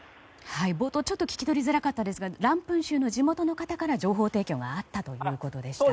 冒頭、ちょっと聞き取りづらかったですがランプン州の地元の方から情報提供があったということでした。